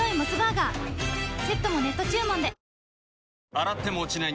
洗っても落ちない